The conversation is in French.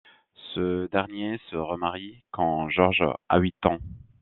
Ce dernier se remarie quand Georges à huit ans.